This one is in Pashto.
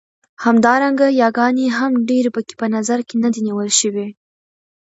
همدارنګه ياګانې هم ډېرې پکې په نظر کې نه دي نيول شوې.